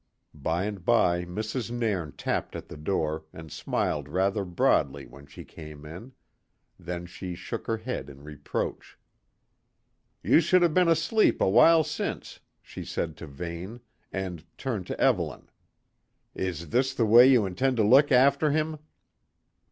By and by Mrs. Nairn tapped at the door and smiled rather broadly when she came in; then she shook her head in reproach. "Ye should have been asleep a while since," she said to Vane, and turned to Evelyn. "Is this the way ye intend to look after him?"